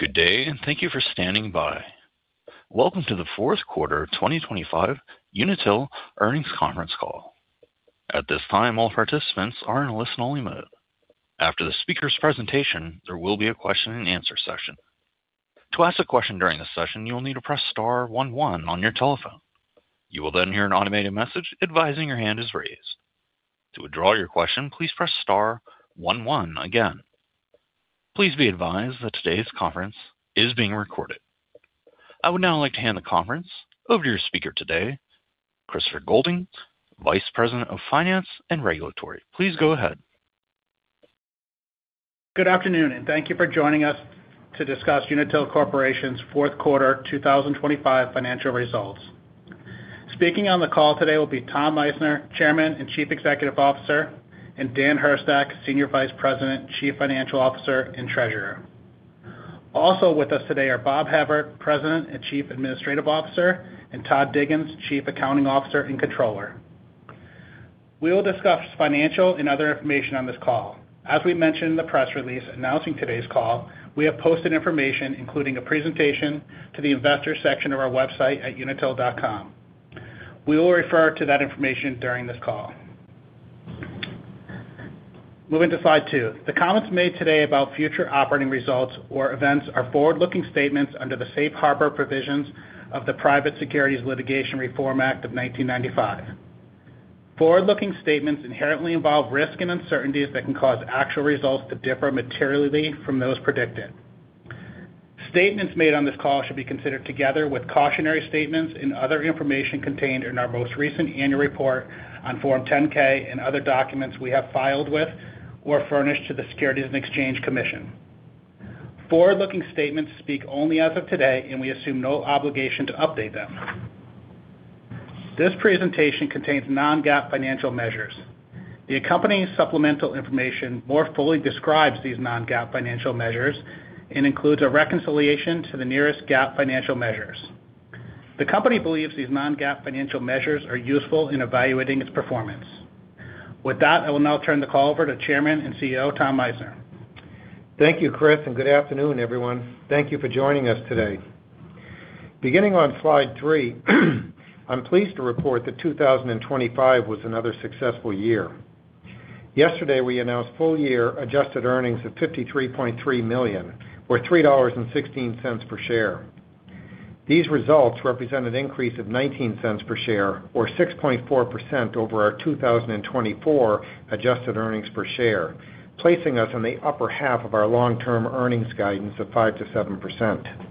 Good day and thank you for standing by. Welcome to the fourth quarter 2025 Unitil earnings conference call. At this time, all participants are in a listen-only mode. After the speaker's presentation, there will be a question-and-answer session. To ask a question during the session, you will need to press star one one on your telephone. You will then hear an automated message advising your hand is raised. To withdraw your question, please press star one one again. Please be advised that today's conference is being recorded. I would now like to hand the conference over to your speaker today, Christopher Goulding, Vice President of Finance and Regulatory. Please go ahead. Good afternoon and thank you for joining us to discuss Unitil Corporation's fourth quarter 2025 financial results. Speaking on the call today will be Tom Meissner, Chairman and Chief Executive Officer, and Dan Hurstak, Senior Vice President, Chief Financial Officer, and Treasurer. Also with us today are Bob Hevert, President and Chief Administrative Officer, and Todd Diggins, Chief Accounting Officer and Controller. We will discuss financial and other information on this call. As we mentioned in the press release announcing today's call, we have posted information including a presentation to the investors section of our website at unitil.com. We will refer to that information during this call. Moving to slide 2. The comments made today about future operating results or events are forward-looking statements under the Safe Harbor provisions of the Private Securities Litigation Reform Act of 1995. Forward-looking statements inherently involve risk and uncertainties that can cause actual results to differ materially from those predicted. Statements made on this call should be considered together with cautionary statements and other information contained in our most recent annual report on Form 10-K and other documents we have filed with or furnished to the Securities and Exchange Commission. Forward-looking statements speak only as of today, and we assume no obligation to update them. This presentation contains non-GAAP financial measures. The accompanying supplemental information more fully describes these non-GAAP financial measures and includes a reconciliation to the nearest GAAP financial measures. The company believes these non-GAAP financial measures are useful in evaluating its performance. With that, I will now turn the call over to Chairman and CEO Tom Meissner. Thank you, Chris, and good afternoon, everyone. Thank you for joining us today. Beginning on slide three, I'm pleased to report that 2025 was another successful year. Yesterday, we announced full-year adjusted earnings of $53.3 million, or $3.16 per share. These results represent an increase of $0.19 per share, or 6.4% over our 2024 adjusted earnings per share, placing us in the upper half of our long-term earnings guidance of 5%-7%.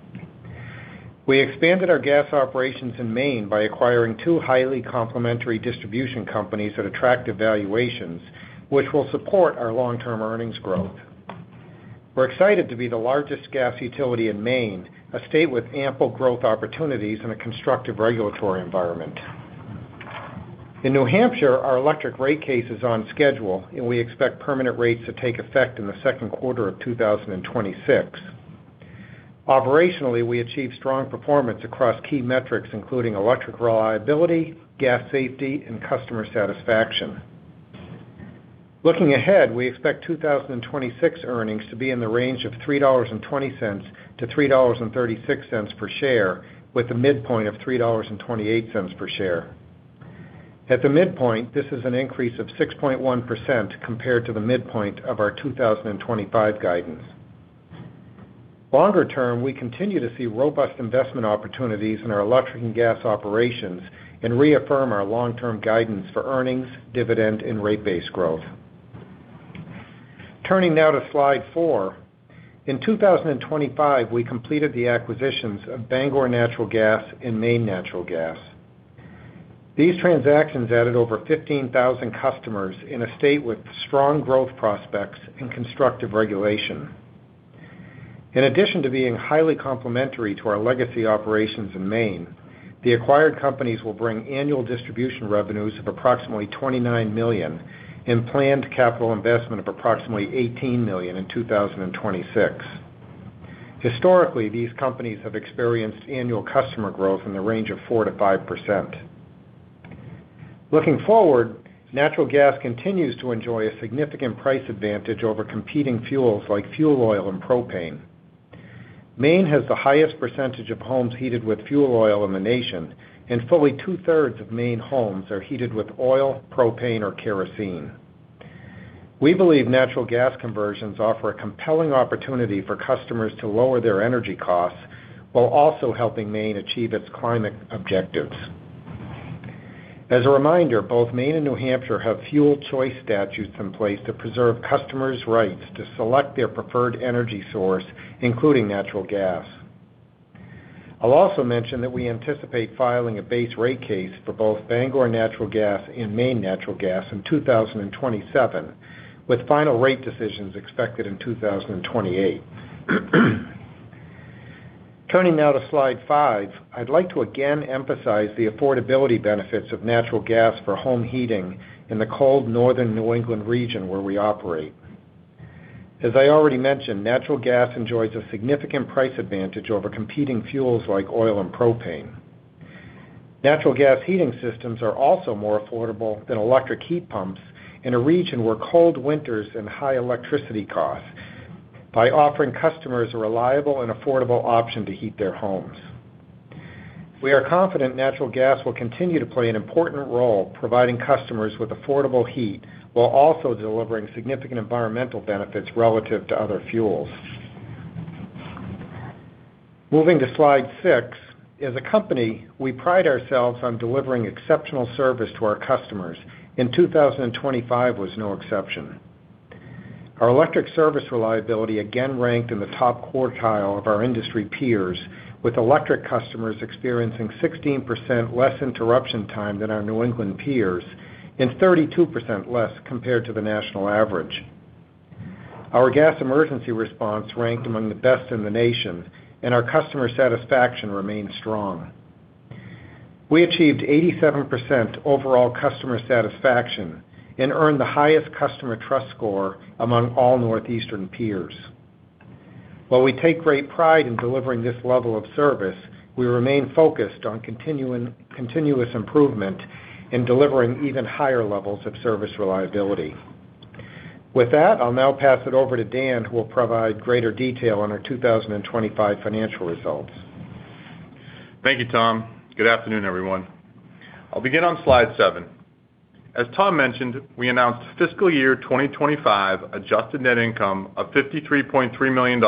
We expanded our gas operations in Maine by acquiring two highly complementary distribution companies at attractive valuations, which will support our long-term earnings growth. We're excited to be the largest gas utility in Maine, a state with ample growth opportunities and a constructive regulatory environment. In New Hampshire, our electric rate case is on schedule, and we expect permanent rates to take effect in the second quarter of 2026. Operationally, we achieved strong performance across key metrics including electric reliability, gas safety, and customer satisfaction. Looking ahead, we expect 2026 earnings to be in the range of $3.20-$3.36 per share, with the midpoint of $3.28 per share. At the midpoint, this is an increase of 6.1% compared to the midpoint of our 2025 guidance. Longer term, we continue to see robust investment opportunities in our electric and gas operations and reaffirm our long-term guidance for earnings, dividend, and rate base growth. Turning now to slide four. In 2025, we completed the acquisitions of Bangor Natural Gas and Maine Natural Gas. These transactions added over 15,000 customers in a state with strong growth prospects and constructive regulation. In addition to being highly complementary to our legacy operations in Maine, the acquired companies will bring annual distribution revenues of approximately $29 million and planned capital investment of approximately $18 million in 2026. Historically, these companies have experienced annual customer growth in the range of 4%-5%. Looking forward, natural gas continues to enjoy a significant price advantage over competing fuels like fuel oil and propane. Maine has the highest percentage of homes heated with fuel oil in the nation, and fully two-thirds of Maine homes are heated with oil, propane, or kerosene. We believe natural gas conversions offer a compelling opportunity for customers to lower their energy costs while also helping Maine achieve its climate objectives. As a reminder, both Maine and New Hampshire have fuel choice statutes in place to preserve customers' rights to select their preferred energy source, including natural gas. I'll also mention that we anticipate filing a base rate case for both Bangor Natural Gas and Maine Natural Gas in 2027, with final rate decisions expected in 2028. Turning now to slide 5, I'd like to again emphasize the affordability benefits of natural gas for home heating in the cold northern New England region where we operate. As I already mentioned, natural gas enjoys a significant price advantage over competing fuels like oil and propane. Natural gas heating systems are also more affordable than electric heat pumps in a region where cold winters and high electricity costs by offering customers a reliable and affordable option to heat their homes. We are confident natural gas will continue to play an important role providing customers with affordable heat while also delivering significant environmental benefits relative to other fuels. Moving to slide 6. As a company, we pride ourselves on delivering exceptional service to our customers, and 2025 was no exception. Our electric service reliability again ranked in the top quartile of our industry peers, with electric customers experiencing 16% less interruption time than our New England peers and 32% less compared to the national average. Our gas emergency response ranked among the best in the nation, and our customer satisfaction remained strong. We achieved 87% overall customer satisfaction and earned the highest customer trust score among all northeastern peers. While we take great pride in delivering this level of service, we remain focused on continuous improvement in delivering even higher levels of service reliability. With that, I'll now pass it over to Dan, who will provide greater detail on our 2025 financial results. Thank you, Tom. Good afternoon, everyone. I'll begin on slide 7. As Tom mentioned, we announced fiscal year 2025 adjusted net income of $53.3 million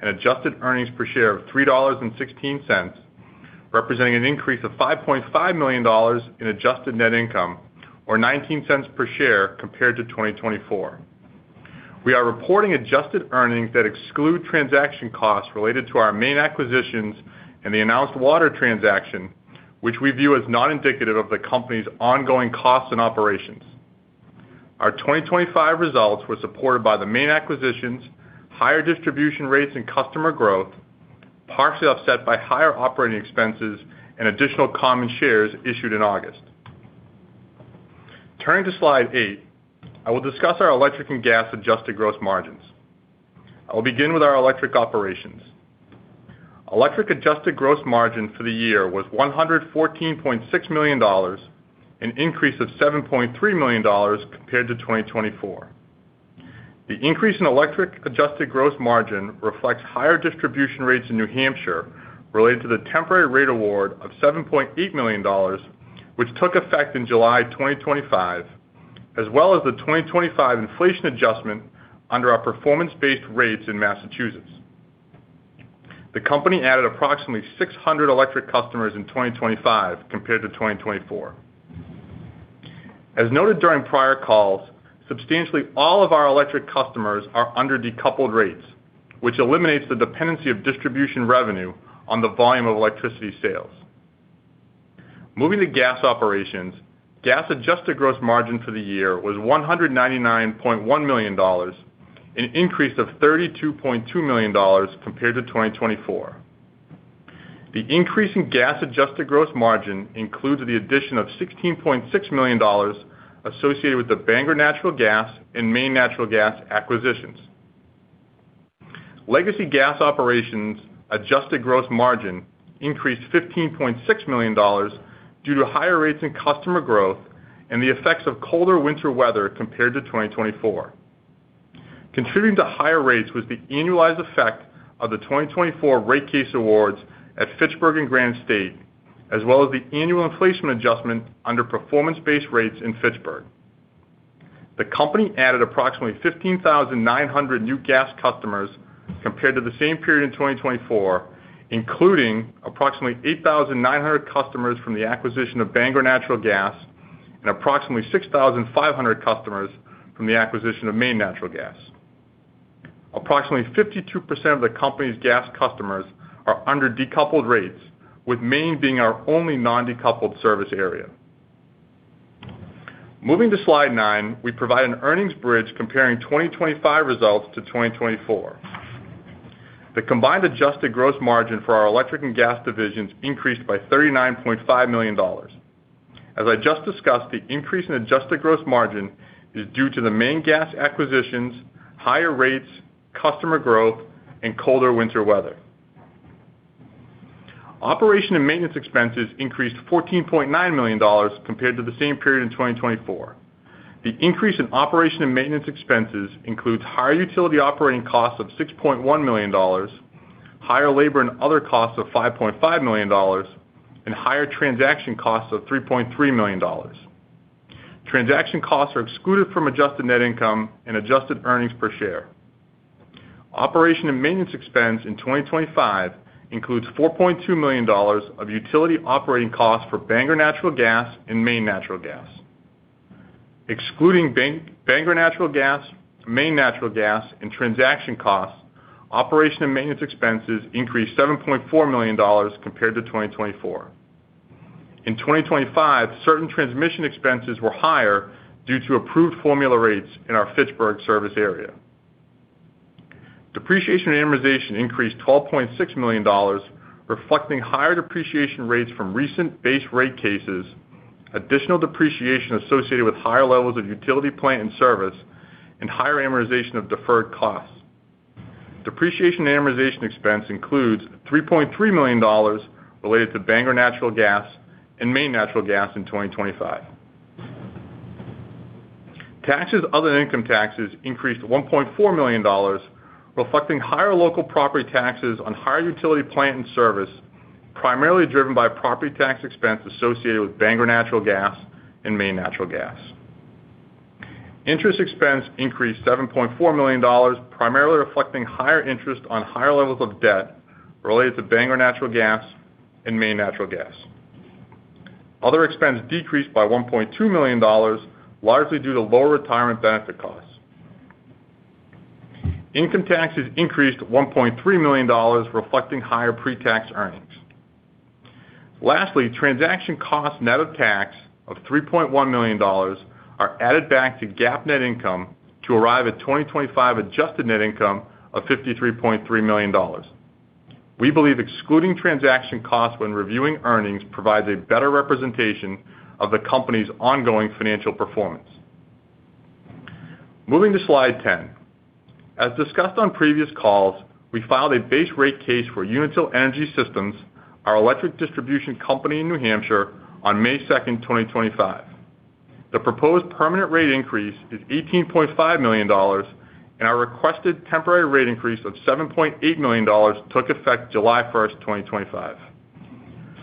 and adjusted earnings per share of $3.16, representing an increase of $5.5 million in adjusted net income, or $0.19 per share compared to 2024. We are reporting adjusted earnings that exclude transaction costs related to our Maine acquisitions and the announced water transaction, which we view as not indicative of the company's ongoing costs and operations. Our 2025 results were supported by the Maine acquisitions, higher distribution rates, and customer growth, partially offset by higher operating expenses and additional common shares issued in August. Turning to slide 8, I will discuss our electric and gas adjusted gross margins. I will begin with our electric operations. Electric adjusted gross margin for the year was $114.6 million, an increase of $7.3 million compared to 2024. The increase in electric adjusted gross margin reflects higher distribution rates in New Hampshire related to the temporary rate award of $7.8 million, which took effect in July 2025, as well as the 2025 inflation adjustment under our performance-based rates in Massachusetts. The company added approximately 600 electric customers in 2025 compared to 2024. As noted during prior calls, substantially all of our electric customers are under decoupled rates, which eliminates the dependency of distribution revenue on the volume of electricity sales. Moving to gas operations, gas adjusted gross margin for the year was $199.1 million, an increase of $32.2 million compared to 2024. The increase in gas adjusted gross margin includes the addition of $16.6 million associated with the Bangor Natural Gas and Maine Natural Gas acquisitions. Legacy gas operations adjusted gross margin increased $15.6 million due to higher rates and customer growth and the effects of colder winter weather compared to 2024. Contributing to higher rates was the annualized effect of the 2024 rate case awards at Fitchburg and Granite State, as well as the annual inflation adjustment under performance-based rates in Fitchburg. The company added approximately 15,900 new gas customers compared to the same period in 2024, including approximately 8,900 customers from the acquisition of Bangor Natural Gas and approximately 6,500 customers from the acquisition of Maine Natural Gas. Approximately 52% of the company's gas customers are under decoupled rates, with Maine being our only non-decoupled service area. Moving to slide nine, we provide an earnings bridge comparing 2025 results to 2024. The combined adjusted gross margin for our electric and gas divisions increased by $39.5 million. As I just discussed, the increase in adjusted gross margin is due to the Maine gas acquisitions, higher rates, customer growth, and colder winter weather. Operation and maintenance expenses increased $14.9 million compared to the same period in 2024. The increase in operation and maintenance expenses includes higher utility operating costs of $6.1 million, higher labor and other costs of $5.5 million, and higher transaction costs of $3.3 million. Transaction costs are excluded from adjusted net income and adjusted earnings per share. Operation and maintenance expense in 2025 includes $4.2 million of utility operating costs for Bangor Natural Gas and Maine Natural Gas. Excluding Bangor Natural Gas, Maine Natural Gas, and transaction costs, operation and maintenance expenses increased $7.4 million compared to 2024. In 2025, certain transmission expenses were higher due to approved formula rates in our Fitchburg service area. Depreciation and amortization increased $12.6 million, reflecting higher depreciation rates from recent base rate cases, additional depreciation associated with higher levels of utility plant in service, and higher amortization of deferred costs. Depreciation and amortization expense includes $3.3 million related to Bangor Natural Gas and Maine Natural Gas in 2025. Taxes other than income taxes increased $1.4 million, reflecting higher local property taxes on higher utility plant in service, primarily driven by property tax expense associated with Bangor Natural Gas and Maine Natural Gas. Interest expense increased $7.4 million, primarily reflecting higher interest on higher levels of debt related to Bangor Natural Gas and Maine Natural Gas. Other expense decreased by $1.2 million, largely due to lower retirement benefit costs. Income taxes increased $1.3 million, reflecting higher pre-tax earnings. Lastly, transaction costs net of tax of $3.1 million are added back to GAAP net income to arrive at 2025 adjusted net income of $53.3 million. We believe excluding transaction costs when reviewing earnings provides a better representation of the company's ongoing financial performance. Moving to slide 10. As discussed on previous calls, we filed a Base Rate Case for Unitil Energy Systems, our electric distribution company in New Hampshire, on May 2, 2025. The proposed permanent rate increase is $18.5 million, and our requested temporary rate increase of $7.8 million took effect July 1, 2025.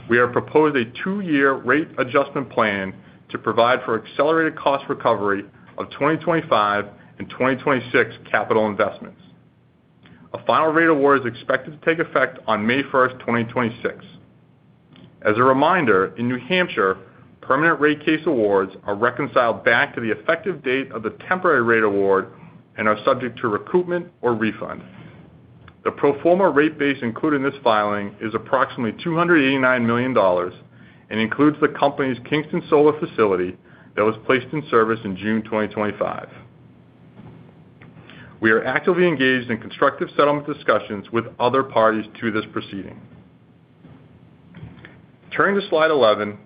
We have proposed a two-year rate adjustment plan to provide for accelerated cost recovery of 2025 and 2026 capital investments. A final rate award is expected to take effect on May 1, 2026. As a reminder, in New Hampshire, permanent rate case awards are reconciled back to the effective date of the temporary rate award and are subject to recoupment or refund. The pro forma rate base included in this filing is approximately $289 million and includes the company's Kingston Solar facility that was placed in service in June 2025. We are actively engaged in constructive settlement discussions with other parties to this proceeding. Turning to slide 11.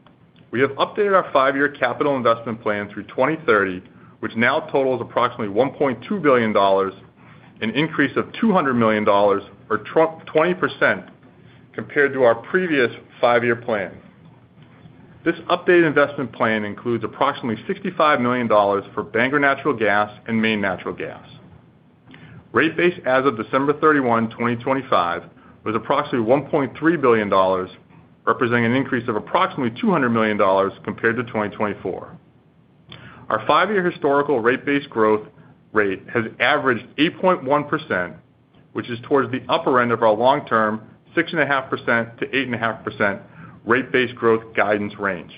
We have updated our five-year capital investment plan through 2030, which now totals approximately $1.2 billion, an increase of $200 million, or 20% compared to our previous five-year plan. This updated investment plan includes approximately $65 million for Bangor Natural Gas and Maine Natural Gas. Rate base as of December 31, 2025, was approximately $1.3 billion, representing an increase of approximately $200 million compared to 2024. Our five-year historical rate base growth rate has averaged 8.1%, which is towards the upper end of our long-term 6.5%-8.5% rate base growth guidance range.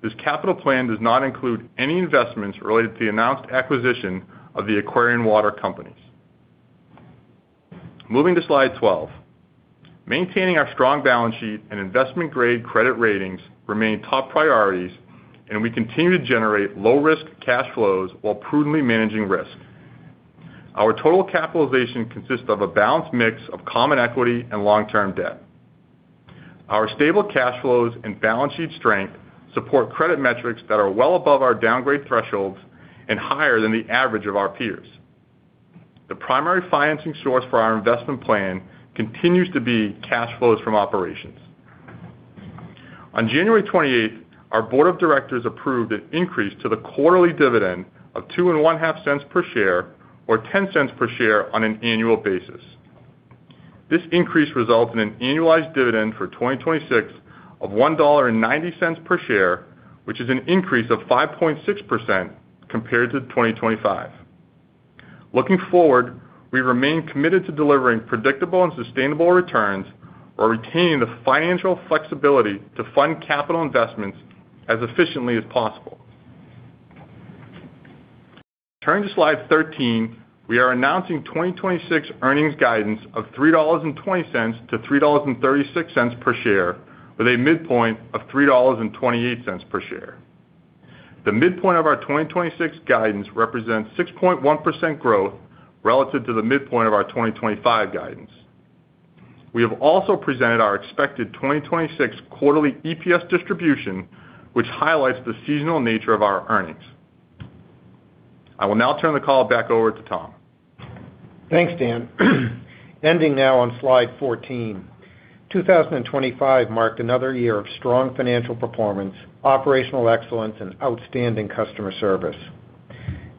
This capital plan does not include any investments related to the announced acquisition of the Aquarion Water Company. Moving to slide 12. Maintaining our strong balance sheet and investment-grade credit ratings remain top priorities, and we continue to generate low-risk cash flows while prudently managing risk. Our total capitalization consists of a balanced mix of common equity and long-term debt. Our stable cash flows and balance sheet strength support credit metrics that are well above our downgrade thresholds and higher than the average of our peers. The primary financing source for our investment plan continues to be cash flows from operations. On January 28th, our Board of Directors approved an increase to the quarterly dividend of $0.025 per share, or $0.10 per share, on an annual basis. This increase resulted in an annualized dividend for 2026 of $1.90 per share, which is an increase of 5.6% compared to 2025. Looking forward, we remain committed to delivering predictable and sustainable returns while retaining the financial flexibility to fund capital investments as efficiently as possible. Turning to slide 13. We are announcing 2026 earnings guidance of $3.20-$3.36 per share, with a midpoint of $3.28 per share. The midpoint of our 2026 guidance represents 6.1% growth relative to the midpoint of our 2025 guidance. We have also presented our expected 2026 quarterly EPS distribution, which highlights the seasonal nature of our earnings. I will now turn the call back over to Tom. Thanks, Dan. Ending now on slide 14. 2025 marked another year of strong financial performance, operational excellence, and outstanding customer service.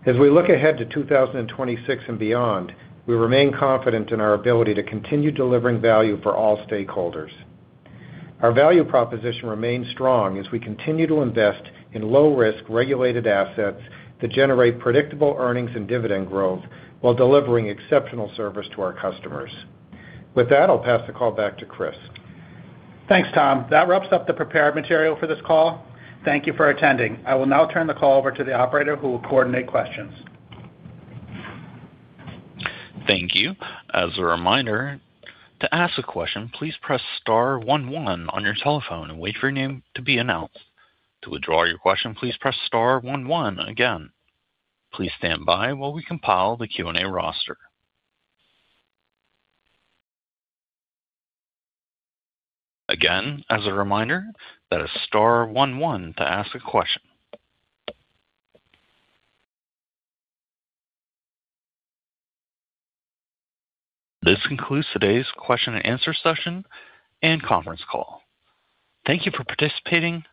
As we look ahead to 2026 and beyond, we remain confident in our ability to continue delivering value for all stakeholders. Our value proposition remains strong as we continue to invest in low-risk regulated assets that generate predictable earnings and dividend growth while delivering exceptional service to our customers. With that, I'll pass the call back to Chris. Thanks, Tom. That wraps up the prepared material for this call. Thank you for attending. I will now turn the call over to the operator, who will coordinate questions. Thank you. As a reminder, to ask a question, please press star one one on your telephone and wait for your name to be announced. To withdraw your question, please press star one one again. Please stand by while we compile the Q&A roster. Again, as a reminder, that is star one one to ask a question. This concludes today's question-and-answer session and conference call. Thank you for participating.